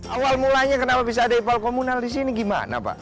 awal mulanya kenapa bisa ada ipal komunal di sini gimana pak